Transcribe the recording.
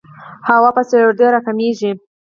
هوا په سړېدو راکمېږي.